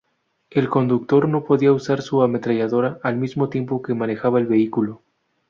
El conductor no podía usar su ametralladora al mismo tiempo que manejaba el vehículo.